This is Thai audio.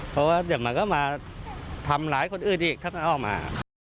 เพราะว่าก็มาทำลายคนอื่นอีกถ้าไม่ออกมา